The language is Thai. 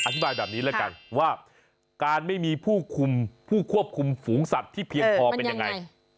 อธิบายแบบนี้แล้วกันว่าการไม่มีผู้คุมผู้ควบคุมฝูงสัตว์ที่เพียงพอเป็นยังไง